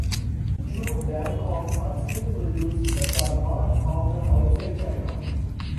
True dancongs are still produced, but are not common outside China.